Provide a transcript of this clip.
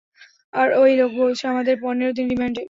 আর ওই লোক বলছে আমাদের পনের দিনের রিমান্ড!